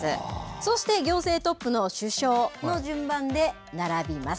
そうして行政トップの首相の順番で並びます。